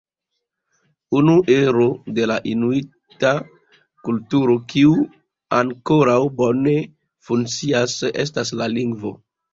Unu ero de la inuita kulturo kiu ankoraŭ bone funkcias estas la lingvo.